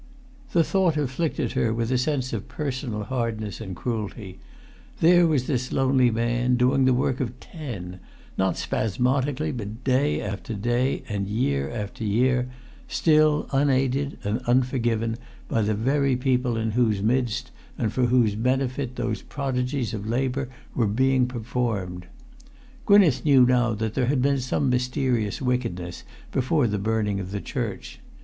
The thought afflicted her with a sense of personal hardness and cruelty; there was this lonely man, doing the work of ten, not spasmodically, but day after day, and year after year, still unaided and unforgiven by the very people in whose midst and for whose benefit those prodigies of labour were being performed. Gwynneth knew now that there had been some mysterious wickedness before the burning of the church.